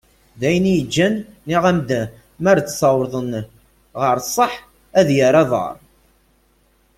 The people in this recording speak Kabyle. D ayen iyi-ǧǧan nniɣ-am-d mi ara ad as-awḍen ɣer sseḥ ad yerr aḍar.